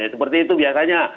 seperti itu biasanya